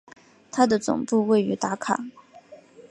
它的总部位于达卡。